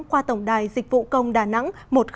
qua tổng đài dịch vụ công đà nẵng một nghìn hai mươi hai